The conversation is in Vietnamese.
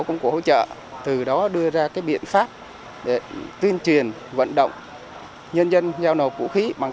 công cụ hỗ trợ từ đó đưa ra cái biện pháp để tuyên truyền vận động nhân dân giao nổ vũ khí bằng